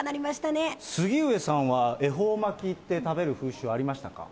杉上さんって、恵方巻きって食べる風習ありましたか？